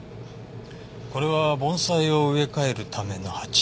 これは盆栽を植え替えるための鉢。